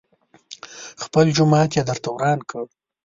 خپل جومات يې درته وران کړ.